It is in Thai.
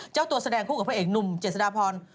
เจ้าตัวแสดงคู่กับพระเอกหนุ่มเจษฎาพร